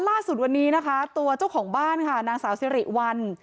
ล่าสุดวันนี้นะคะตัวเจ้าของบ้านค่ะนางสาวสิริวัล